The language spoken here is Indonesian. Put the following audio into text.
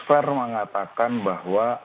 fair mengatakan bahwa